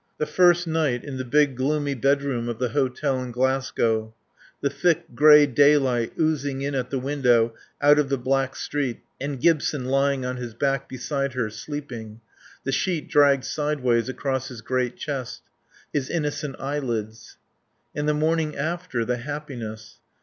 The first night, in the big, gloomy bedroom of the hotel in Glasgow. The thick, grey daylight oozing in at the window out of the black street; and Gibson lying on his back, beside her, sleeping, the sheet dragged sideways across his great chest. His innocent eyelids. And the morning after; the happiness.